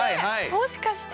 もしかして。